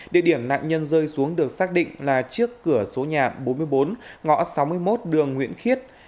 địa điểm nạn nhân rơi xuống được xác định là trước cửa số nhà bốn mươi bốn ngõ sáu mươi một đường nguyễn khiết